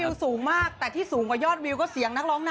สูงมากแต่ที่สูงกว่ายอดวิวก็เสียงนักร้องนะ